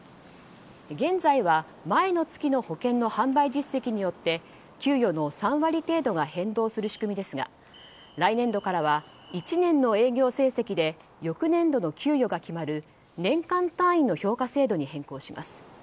現在は前の月の保険の販売実績によって給与の３割程度が変動する仕組みですが来年度からは１年の営業成績で翌年度の給与が決まる年間単位の評価制度に変更します。